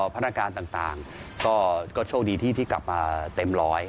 พัฒนาการต่างก็โชคดีที่กลับมาเต็มร้อย